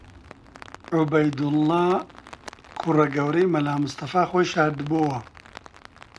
عوبەیدوڵڵا، کوڕە گەورەی مەلا مستەفا خۆی شاردبۆوە